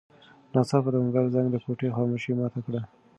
ناڅاپه د موبایل زنګ د کوټې خاموشي ماته کړه.